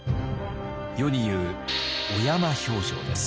世に言う小山評定です。